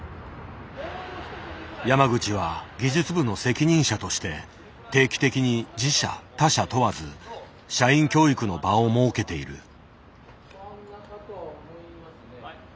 山口は技術部の責任者として定期的に自社・他社問わず社員教育の場を設けている。